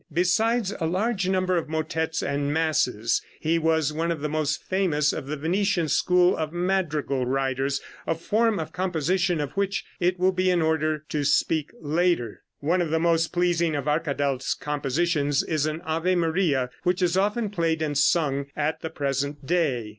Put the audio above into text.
Besides a large number of motettes and masses, he was one of the most famous of the Venetian school of madrigal writers, a form of composition of which it will be in order to speak later. One of the most pleasing of Arkadelt's compositions is an Ave Maria which is often played and sung at the present day.